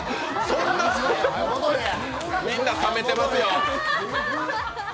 そんな、みんな冷めてますよ。